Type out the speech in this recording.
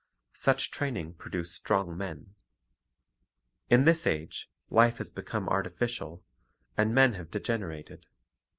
Such training produced strong men. In this age, life has become artificial, and men have degenerated.